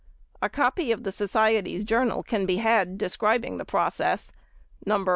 A copy of the Society's journal can be had, describing the process, No.